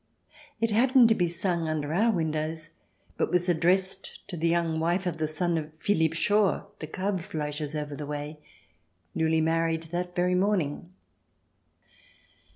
It happened to be sung under our windows, but was addressed to the young wife of the son of Philipp Schor, the Kalbfleischer's over the way, newly married that very morning.